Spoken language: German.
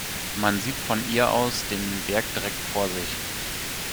Man sieht von ihr aus den Berg direkt vor sich.